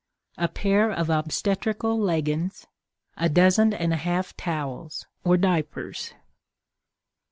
A Pair of Obstetrical Leggins. A Dozen and a Half Towels (Diapers).